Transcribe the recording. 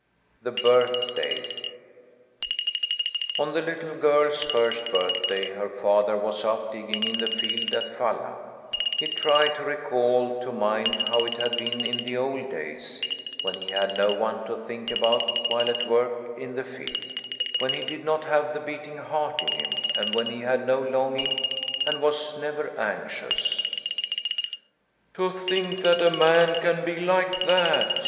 THE BIRTHDAY On the little girl's first birthday her father was out digging in the field at Falla; he tried to recall to mind how it had been in the old days, when he had no one to think about while at work in the field; when he did not have the beating heart in him, and when he had no longings and was never anxious. "To think that a man can be like that!"